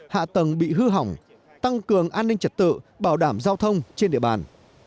hạ tầng bị hư hỏng tăng cường an ninh trật tự bảo đảm giao thông trên địa bàn